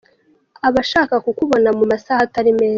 Aba ashaka ku kubona mu masaha atari meza.